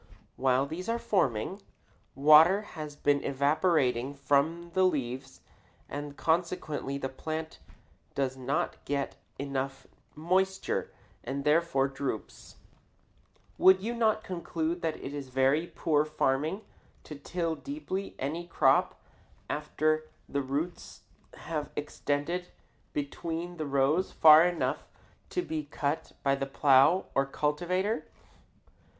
While these are forming, water has been evaporating from the leaves, and consequently the plant does not get enough moisture and therefore droops. [Illustration: FIG. 19. DISTRIBUTION OF APPLE TREE ROOTS] Would you not conclude that it is very poor farming to till deeply any crop after the roots have extended between the rows far enough to be cut by the plow or cultivator?